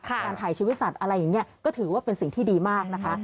การถ่ายชีวิตสัตว์อะไรอย่างนี้ก็ถือว่าเป็นสิ่งที่ดีมากนะคะ